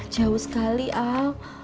jauh sekali al